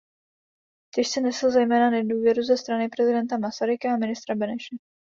Těžce nesl zejména nedůvěru ze strany prezidenta Masaryka a ministra Beneše.